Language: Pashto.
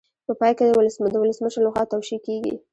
په پای کې د ولسمشر لخوا توشیح کیږي.